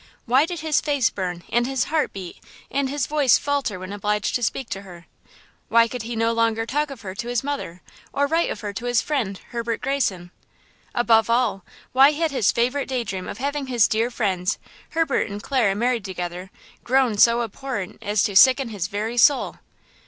Why did his face burn and his heart beat and his voice falter when obliged to speak to her? Why could he no longer talk of her to his mother, or write of her to his friend, Herbert Greyson? Above all, why had his favorite day dream of having his dear friends, Herbert and Clara married together, grown so abhorrent as to sicken his very soul?